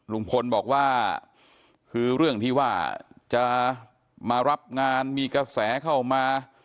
ลุงพลบอกว่าคือเรื่องที่ว่าจะมารับงานมีกระแสเข้ามา